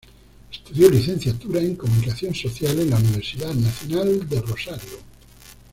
Estudió Licenciatura en Comunicación Social en la Universidad Nacional de Rosario.